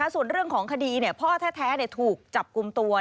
ส่วนเรื่องของคดีพ่อแท้ถูกจับกลุ่มตัว